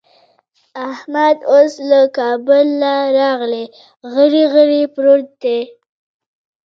احمد اوس له کابله راغی؛ غړي غړي پروت دی.